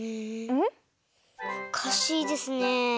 おかしいですね。